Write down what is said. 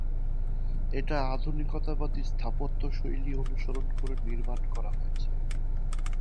এটা আধুনিকতাবাদী স্থাপত্য শৈলী অনুসরণ করে নির্মাণ করা হয়েছে।